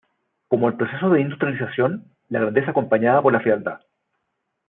Como el proceso de industrialización, la grandeza acompañada por la fealdad.